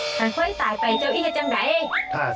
ถ้าค่อยตายไปเจ้าอีกจะจำไหน